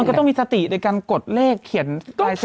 มันก็ต้องมีสติในการกดเลขเขียน๘๐๐บาทไหม